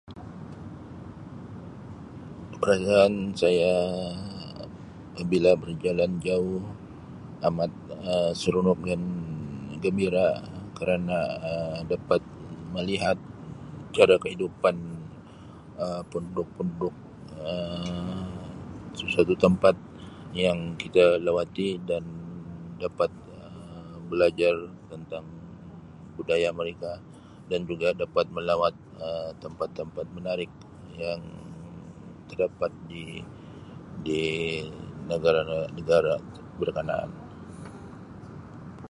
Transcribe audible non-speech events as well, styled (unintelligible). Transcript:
(unintelligible) Saya bila berjalan jauh amat Um seronok Um dan gembira kerana Um dapat melihat cara kehidupan Um penduduk-penduduk Um sesuatu tempat yang kita lawati dan dapat Um belajar tentang budaya mereka dan juga dapat melawat Um tempat-tempat menarik yang terdapat di-di negara negara berkenaan.